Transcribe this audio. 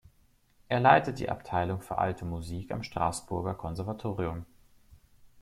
Er leitet die Abteilung für Alte Musik am Straßburger Konservatorium.